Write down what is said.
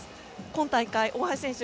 今大会、大橋選手